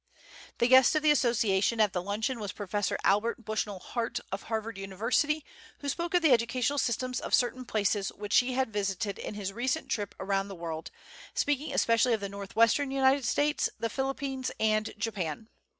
The guest of the Association at the luncheon was Professor Albert Bushnell Hart, of Harvard University, who spoke of the educational systems of certain places which he had visited in his recent trip around the world, especially speaking of the northwestern United States, the Philippines and Japan.